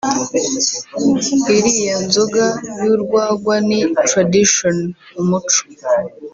« Iriya nzoga y’urwagwa ni tradition(umuco)